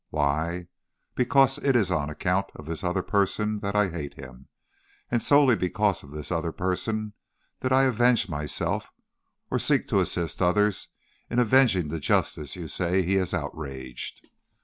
Why? because it is on account of this other person that I hate him, and solely because of this other person that I avenge myself, or seek to assist others in avenging the justice you say he has outraged.